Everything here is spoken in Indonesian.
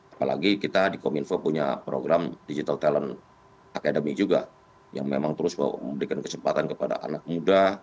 apalagi kita di kominfo punya program digital talent academy juga yang memang terus memberikan kesempatan kepada anak muda